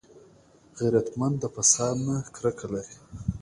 غیرتمند د فساد نه کرکه لري